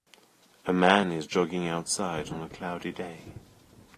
a man is jogging outside on a cloudy day.